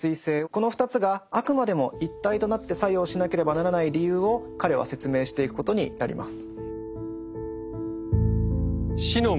この２つがあくまでも一体となって作用しなければならない理由を彼は説明していくことになります。